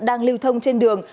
đang lưu thông trên đường